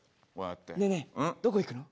ねえねえどこ行くの？